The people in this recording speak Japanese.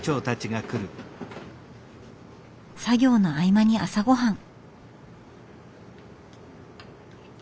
作業の合間に朝ごはん。